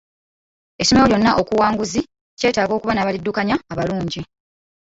Essomero lyonna okuwanguzi, kyetaaga okuba n'abaliddukanya abalungi.